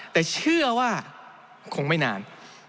แต่เชื่อว่าคงไม่นาน